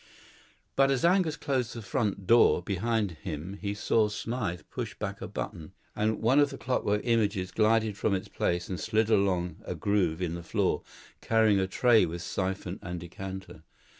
But as Angus closed the front door behind him he saw Smythe push back a button, and one of the clockwork images glided from its place and slid along a groove in the floor carrying a tray with syphon and decanter.